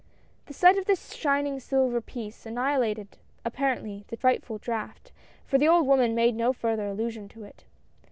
" The sight of this shining silver piece annihilated 182 A SUEPRISE. apparently the frightful draught, for the old woman made no further allusion to it.